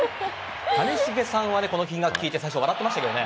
谷繁さんは、この金額を聞いて笑ってましたけどね。